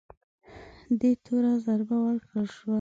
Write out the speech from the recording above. دې تور ضربه ورکړل شوه